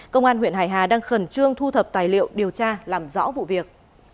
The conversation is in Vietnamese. công an huyện hải hà đang khẩn trương thu thập tài liệu điều tra làm rõ vụ việc